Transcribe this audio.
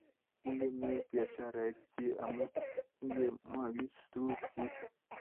kingemee biasharesheck chi amu kingemokis tuguk chi